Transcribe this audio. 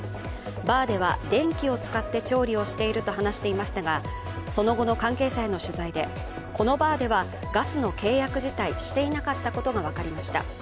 バーでは電気を使って調理をしていると話していましたがその後の関係者への取材で、このバーではガスの契約自体していなかったことが分かりました。